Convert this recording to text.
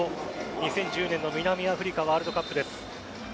２０１０年の南アフリカワールドカップです。